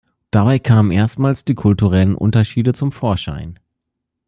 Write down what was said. Dabei kamen erstmals die kulturellen Unterschiede zum Vorschein.